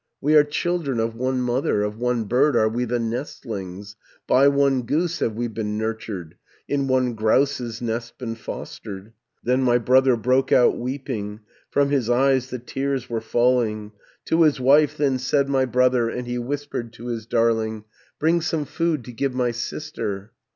We are children of one mother, Of one bird are we the nestlings: 800 By one goose have we been nurtured, In one grouse's nest been fostered.' "Then my brother broke out weeping, From his eyes the tears were falling. "To his wife then said my brother, And he whispered to his darling, 'Bring some food to give my sister!'